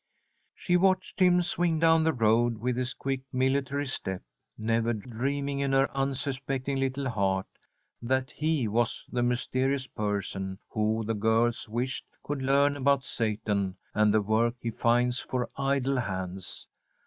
She watched him swing down the road with his quick, military step, never dreaming in her unsuspecting little heart that he was the mysterious person who, the girls wished, could learn about Satan and the work he finds for idle hands.